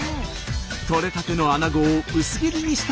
取れたてのあなごを薄切りにした一品。